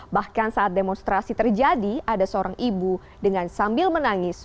bahkan saat demonstrasi terjadi ada seorang ibu dengan sambil menangis